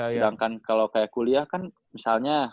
sedangkan kalau kayak kuliah kan misalnya